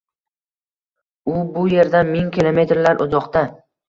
u bu yerdan ming kilometrlar uzoqda.